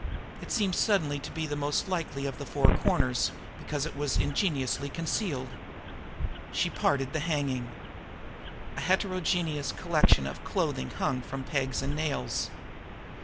It seemed suddenly to be the most likely of the four corners because it was ingeniously concealed. She parted the hanging. A heterogeneous collection of clothing hung from pegs and nails.